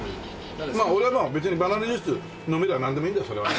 まあ俺は別にバナナジュース飲めりゃなんでもいいんだよそれは。